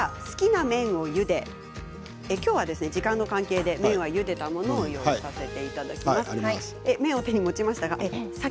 きょうは時間の関係で麺はゆでたものを用意させていただきました。